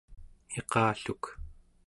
iqalluk